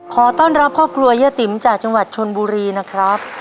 ขอต้อนรับครอบครัวย่าติ๋มจากจังหวัดชนบุรีนะครับ